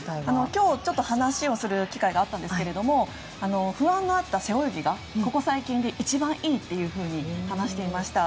今日、話をする機会があったんですが不安があった背泳ぎがここ最近で一番いいと話していました。